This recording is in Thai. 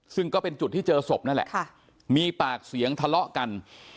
ซึ่งก็เป็นจุดที่เจอศพนั่นแหละมีปากเสียงทะเลาะกัน